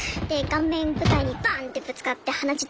顔面舞台にバンッてぶつかって鼻血